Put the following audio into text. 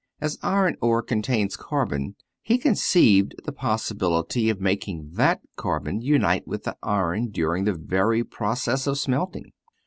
As iron ore contains carbon, he conceived the possibility of making that carbon unite with the iron during the very process of smelting.